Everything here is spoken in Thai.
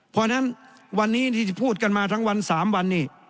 เพราะฉะนั้นวันนี้ที่จะพูดกันมาทั้งวัน๓วันนี้